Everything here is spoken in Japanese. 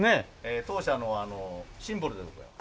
当社のシンボルでございます。